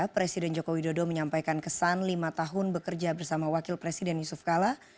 presiden joko widodo menyampaikan kesan lima tahun bekerja bersama wakil presiden yusuf kala